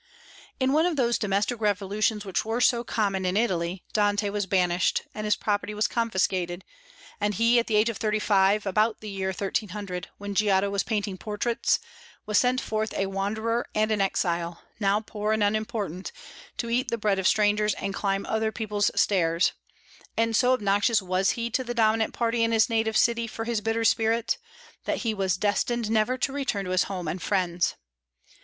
In one of those domestic revolutions which were so common in Italy Dante was banished, and his property was confiscated; and he at the age of thirty five, about the year 1300, when Giotto was painting portraits, was sent forth a wanderer and an exile, now poor and unimportant, to eat the bread of strangers and climb other people's stairs; and so obnoxious was he to the dominant party in his native city for his bitter spirit, that he was destined never to return to his home and friends.